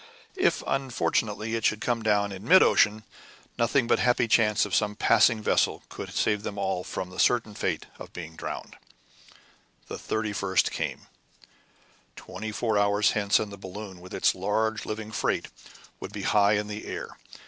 If unfortunately, it should come down in mid ocean, nothing but the happy chance of some passing vessel could save them all from the certain fate of being drowned. The 31st came. Twenty four hours hence and the balloon, with its large living freight, would be high in the air.